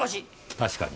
確かに。